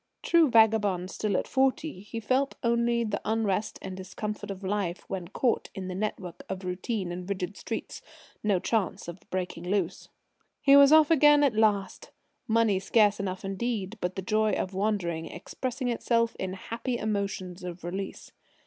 True vagabond still at forty, he only felt the unrest and discomfort of life when caught in the network of routine and rigid streets, no chance of breaking loose. He was off again at last, money scarce enough indeed, but the joy of wandering expressing itself in happy emotions of release.